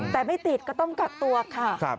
แต่ไม่ติดก็ต้องกักตัวค่ะ